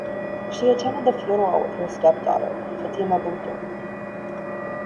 She attended the funeral with her step daughter, Fatima Bhutto.